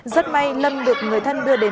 rất may lâm được người thân đưa đến